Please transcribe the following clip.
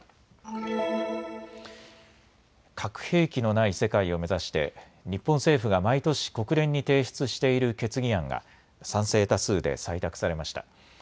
核兵器のない世界を目指して日本政府が毎年、国連に提出している決議案が賛成多数で採択されました。